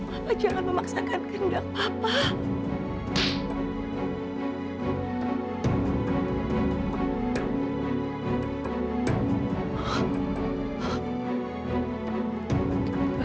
papa jangan memaksakan kendak papa